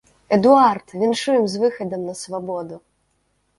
Эдуард, віншуем з выхадам на свабоду!